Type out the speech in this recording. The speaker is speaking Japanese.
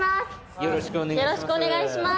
よろしくお願いします。